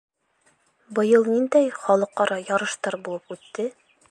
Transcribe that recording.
Быйыл ниндәй халыҡ-ара ярыштар булып үтте?